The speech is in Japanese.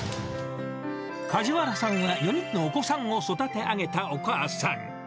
梶原さんは４人のお子さんを育て上げたお母さん。